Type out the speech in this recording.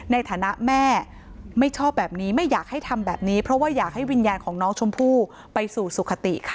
ในฐานะแม่ไม่ชอบแบบนี้ไม่อยากให้ทำแบบนี้เพราะว่าอยากให้วิญญาณของน้องชมพู่ไปสู่สุขติค่ะ